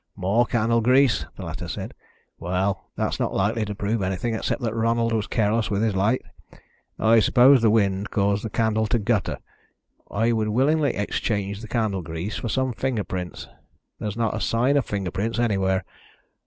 "More candle grease!" the latter said. "Well, that's not likely to prove anything except that Ronald was careless with his light. I suppose the wind caused the candle to gutter. I would willingly exchange the candle grease for some finger prints. There's not a sign of finger prints anywhere.